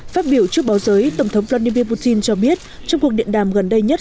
phát biểu trước báo giới tổng thống vladimir putin cho biết trong cuộc điện đàm gần đây nhất